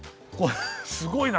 すごいな！